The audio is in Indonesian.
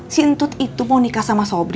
si entut itu mau nikah sama suami